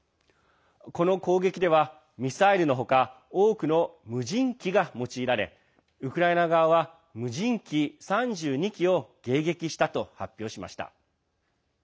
この攻撃では、ミサイルの他多くの無人機が用いられウクライナ側は無人機３２機を迎撃したと発表しました。